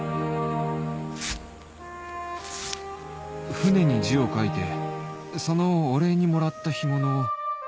船に字を書いてそのお礼にもらった干物を